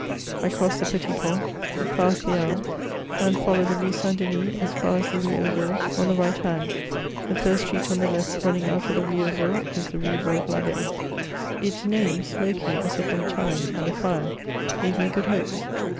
I crossed the Petit Pont, passed the Halles, and followed the Rue St. Denis, as far as the Rue aux Ours, on the right hand ; the first street on the left running out of the Rue aux Ours is the Rue Bourg l'Abb^. Its name, smoky as if from time, and a fire, gave me good hopes.